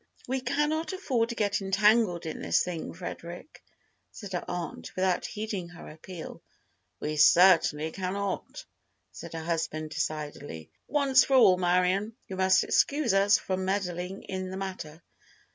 "We cannot afford to get entangled in this thing, Frederic," said her aunt, without heeding her appeal. "We certainly cannot," said her husband, decidedly. "Once for all, Marion, you must excuse us from meddling in the matter."